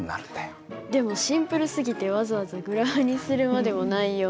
でもシンプルすぎてわざわざグラフにするまでもないような。